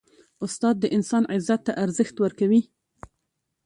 استاد د انسان عزت ته ارزښت ورکوي.